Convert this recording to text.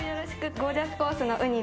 ゴージャスコースのウニです。